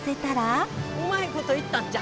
うまいこといったっちゃ。